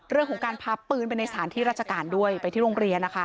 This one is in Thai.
เรื่องของการพาปืนไปในสถานที่ราชการด้วยไปที่โรงเรียนนะคะ